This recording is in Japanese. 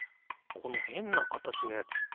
このへんなかたちのやつ